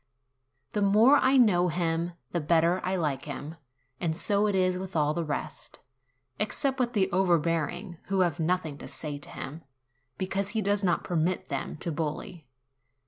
The more I know him, the better I like him ; and so it is with all the rest, except with the overbearing, who have nothing to say to him, because he does not permit them to bully.